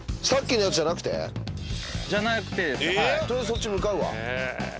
とりあえずそっち向かうわ。